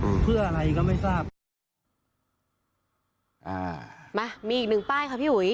อืมเพื่ออะไรก็ไม่ทราบอ่ามามีอีกหนึ่งป้ายค่ะพี่อุ๋ย